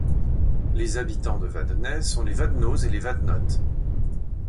Les habitants de Vadenay sont les Vadenots et les Vadenottes.